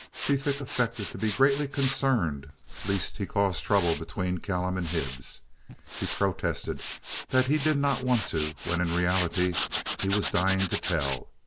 Pethick affected to be greatly concerned lest he cause trouble between Callum and Hibbs. He protested that he did not want to, when, in reality, he was dying to tell.